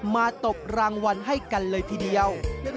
ตกรางวัลให้กันเลยทีเดียว